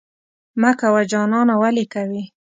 مه کوه جانانه ولې کوې؟